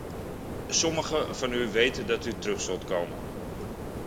Sommigen van u weten dat u terug zult komen.